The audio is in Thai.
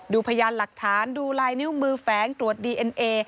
พยานหลักฐานดูลายนิ้วมือแฝงตรวจดีเอ็นเอ